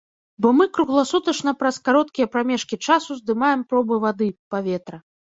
Бо мы кругласутачна праз кароткія прамежкі часу здымаем пробы вады, паветра.